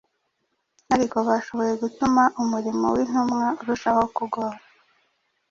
ariko bashoboye gutuma umurimo w’intumwa urushako kugora.